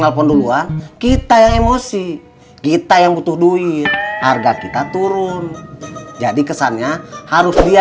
telepon duluan kita yang emosi kita yang butuh duit harga kita turun jadi kesannya harus dia